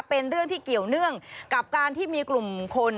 เป็นเรื่องที่เกี่ยวเนื่องกับการที่มีกลุ่มคน